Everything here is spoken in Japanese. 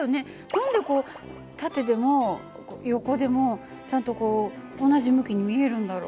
何でこう縦でも横でもちゃんとこう同じ向きに見えるんだろう？